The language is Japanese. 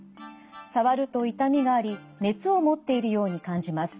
触ると痛みがあり熱を持っているように感じます。